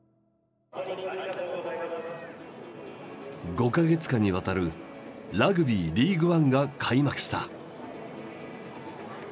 ５か月間にわたるラグビーリーグワンが開幕した。